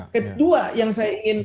kedua yang saya ingin